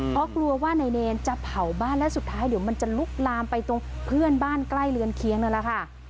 เพราะกลัวว่านายเนรจะเผาบ้านและสุดท้ายเดี๋ยวมันจะลุกลามไปตรงเพื่อนบ้านใกล้เรือนเคียงนั่นแหละค่ะ